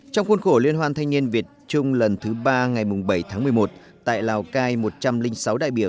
trong khuôn khổ liên hoan thanh niên việt trung lần thứ ba ngày bảy tháng một mươi một tại lào cai một trăm linh sáu đại biểu